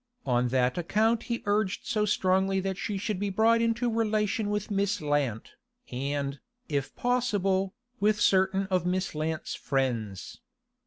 On that account he urged so strongly that she should be brought into relation with Miss Lant, and, if possible, with certain of Miss Lant's friends.